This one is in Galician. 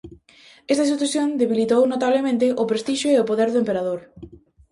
Esta situación debilitou notablemente o prestixio e o poder do emperador.